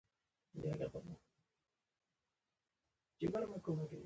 په څه لږو الوتو سو په ځان ستړی